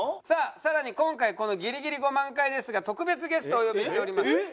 さあさらに今回このギリギリ５万回ですが特別ゲストをお呼びしております。